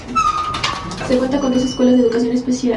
Se cuenta con dos escuelas de Educación Especial.